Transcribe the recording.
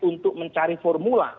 untuk mencari formula